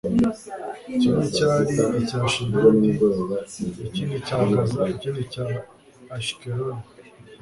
kimwe cyari icya ashidodi, ikindi cya gaza, ikindi cya ashikeloni